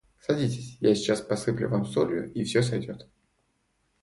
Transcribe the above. Садитесь, я сейчас посыплю Вас солью и все сойдет.